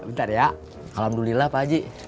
bentar ya alhamdulillah pak haji